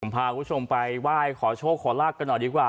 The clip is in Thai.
พาคุณผู้ชมไปไหว้ขอโชคขอลาบกันหน่อยดีกว่า